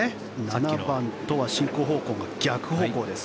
７番とは進行方向が逆方向です。